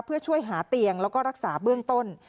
เพื่อช่วยหาเตียงแล้วก็รักษาเบื้องต้น